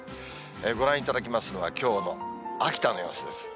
ご覧いただきますのは、きょうの秋田の様子です。